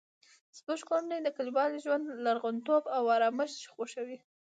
زموږ کورنۍ د کلیوالي ژوند لرغونتوب او ارامښت خوښوي